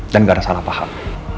dan gak ada salah paham